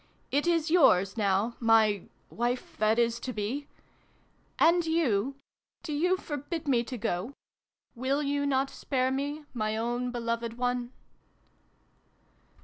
It is yours, now, my wife that is to be ! And you && you forbid me to go ? Will you not spare me, my own beloved one